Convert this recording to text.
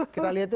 kita lihat tuh